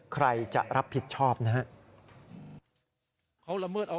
ใครจะรับผิดชอบนะครับ